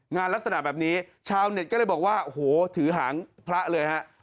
งานลักษณะแบบนี้ชาวเน็ตก็เลยบอกว่าถือหางพระเลย